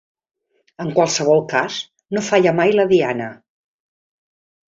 En qualsevol cas, no falla mai la diana.